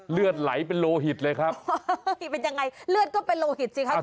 เลือดไหลเป็นโลหิตเลยครับเป็นยังไงเลือดก็เป็นโลหิตสิครับ